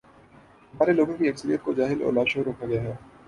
ہمارے لوگوں کی اکثریت کو جاہل اور لاشعور رکھا گیا ہے۔